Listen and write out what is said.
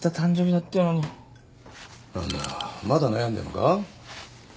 まだ悩んでんのか？